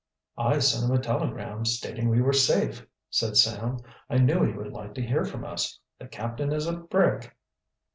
"I sent him a telegram, stating we were safe," said Sam. "I knew he would like to hear from us. The captain is a brick."